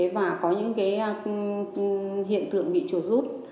và có những hiện tượng bị trột rút